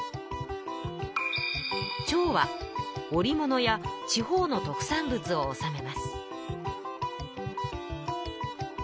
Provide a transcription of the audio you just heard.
織物や地方の特産物を納めます。